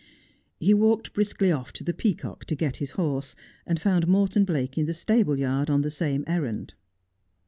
He walked briskly off to the ' Peacock ' to get his horse, and found Morton Blake in the stable yard, on the same errand.